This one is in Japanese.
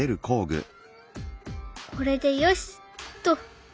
これでよしっと。